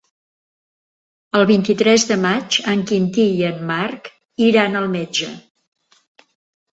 El vint-i-tres de maig en Quintí i en Marc iran al metge.